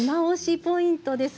ポイントです。